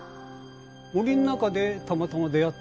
森の中でたまたま出会ったって。